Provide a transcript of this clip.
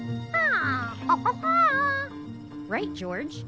ああ！